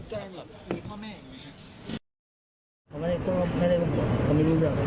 เอาเขาว่าเขาไม่ได้ทำคุณพูดเรื่องของนี้